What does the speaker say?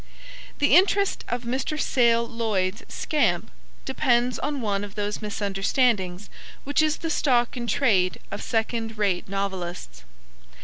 The interest of Mr. Sale Lloyd's Scamp depends on one of those misunderstandings which is the stock in trade of second rate novelists.